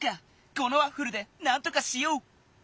このワッフルでなんとかしよう！